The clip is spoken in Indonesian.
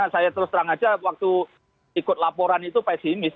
saya terus terang saja waktu ikut laporan itu pesimis